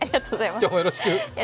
今日もよろしく。